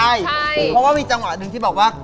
เพราะว่ามีจังหวะหนึ่งที่บอกว่า